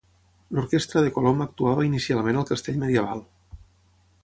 L'orquestra de Colom actuava inicialment al Castell medieval.